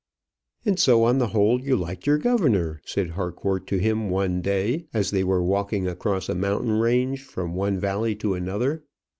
"And so on the whole you liked your governor?" said Harcourt to him one day as they were walking across a mountain range from one valley to another.